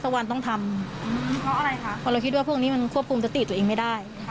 ก็ต้องทำเพราะค่ะเราคิดว่าพวกนี้มันควบคุมติดอีกจริงไม่ได้